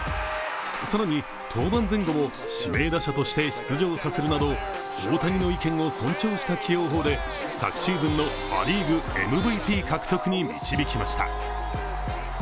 更に、登板前後も指名打者として出場させるなど大谷の意見を尊重した起用法で昨シーズンのア・リーグМＶＰに導きました。